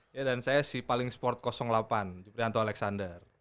ya dan saya sipaling sport delapan jeprianto alexander